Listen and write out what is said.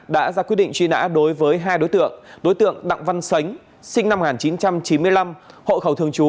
đã ra quyết định truy nã đối với hai đối tượng đối tượng đặng văn sánh sinh năm một nghìn chín trăm chín mươi năm hộ khẩu thường trú